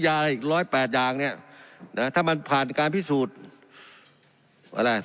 อะไรอีกร้อยแปดอย่างเนี่ยนะถ้ามันผ่านการพิสูจน์อะไร